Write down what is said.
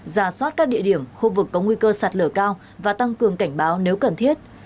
giả soát các địa điểm khu vực có nguy cơ sạt lửa cao và tăng cường cảnh báo nếu cần thiết